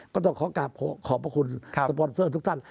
ก็ต้องขอกลับขอบพระคุณสปอนเซอร์ทุกท่าน